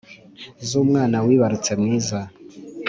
Z’umwana wibarutse mwiza